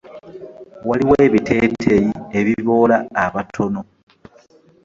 Waliwo ebiteeteeyi ebiboola abatono.